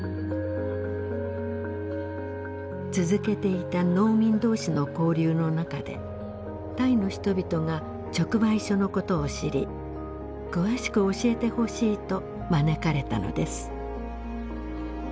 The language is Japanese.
続けていた農民同士の交流の中でタイの人々が直売所のことを知り詳しく教えてほしいと招かれたのです。